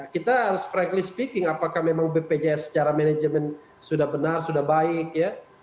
kita harus franky speaking apakah memang bpjs secara manajemen sudah benar sudah baik ya